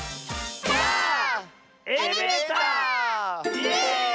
イエーイ！